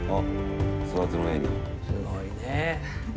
すごいね。